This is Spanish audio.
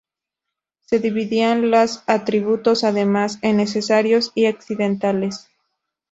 Se dividían los atributos además en "necesarios" y "accidentales".